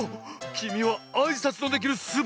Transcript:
きみはあいさつのできるすばらしいこだ！